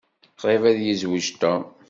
Qṛib ad yezweǧ Tom.